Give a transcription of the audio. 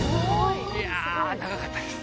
いや長かったです